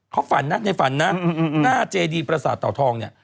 เขาฝันนะในฝันนะหน้าเจดีปราศาสตร์เต่าทอง